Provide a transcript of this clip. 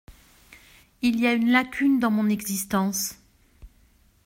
Il y a une lacune dans mon existence !